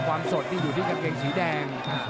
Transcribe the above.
สดนี่อยู่ที่กางเกงสีแดง